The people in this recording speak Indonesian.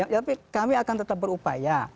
tapi kami akan tetap berupaya